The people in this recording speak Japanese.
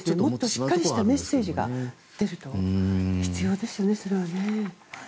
もっとしっかりしたメッセージが必要ですね。